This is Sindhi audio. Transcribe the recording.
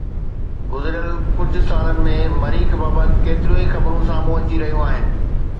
گذريل ڪجهه سالن ۾ مريخ بابت ڪيتريون ئي خبرون سامهون اچي رهيون آهن